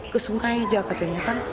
ke sungai aja katanya kan